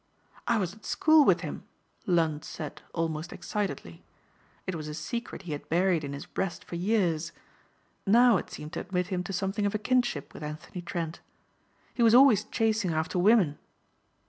"I was at school with him," Lund said almost excitedly. It was a secret he had buried in his breast for years. Now it seemed to admit him to something of a kinship with Anthony Trent. "He was always chasing after women."